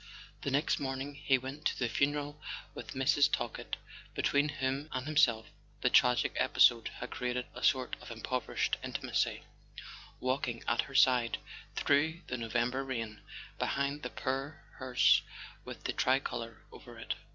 The next morning he went to the funeral with Mrs. Talkett—between whom and himself the tragic episode had created a sort of improvised intimacy—walking at her side through the November rain, behind the poor hearse with the tricolour over it.